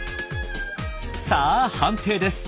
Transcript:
さあ判定です。